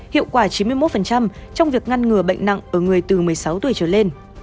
hiệu quả chín mươi một trong việc ngăn ngừa bệnh nặng ở người từ một mươi sáu tuổi trở lên